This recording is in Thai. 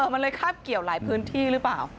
มันเลยคาบเกี่ยวหลายพื้นที่หรือเปล่า